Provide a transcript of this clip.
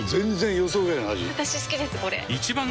私好きですこれ！